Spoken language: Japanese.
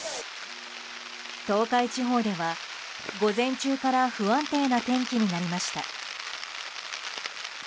東海地方では午前中から不安定な天気になりました。